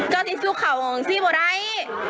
เจ้าสีสุข่าวของสิ้นพอได้